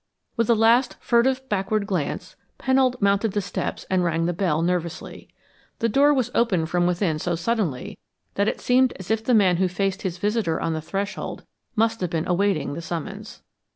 With a last furtive backward glance, Pennold mounted the steps and rang the bell nervously. The door was opened from within so suddenly that it seemed as if the man who faced his visitor on the threshold must have been awaiting the summons.